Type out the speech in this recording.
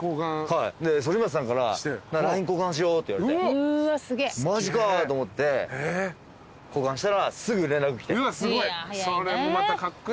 はい反町さんから「ＬＩＮＥ交換しよう」って言われて「マジか」と思って交換したらすぐ連絡来て。それもまたカッコイイな。